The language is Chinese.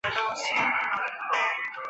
其主题曲则由陶大伟创作。